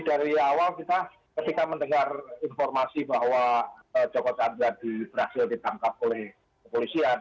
jadi dari awal kita ketika mendengar informasi bahwa joko chandra di brazil ditangkap oleh kepolisian